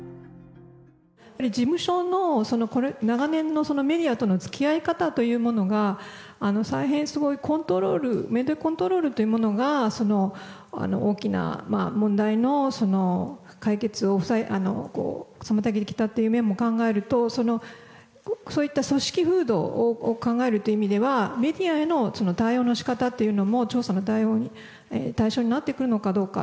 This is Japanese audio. やっぱり事務所の長年のメディアとのつきあい方というものが、大変すごい、コントロール、メディアコントロールというものが、大きな問題のその解決を妨げてきたという面も考えると、そういった組織風土を考えるという意味では、メディアへの対応のしかたっていうのも、調査の対象になってくるのかどうか。